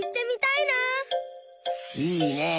いいねえ。